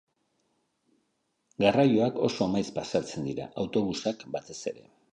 Garraioak oso maiz pasatzen dira, autobusak batez ere.